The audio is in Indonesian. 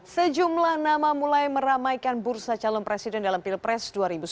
sejumlah nama mulai meramaikan bursa calon presiden dalam pilpres dua ribu sembilan belas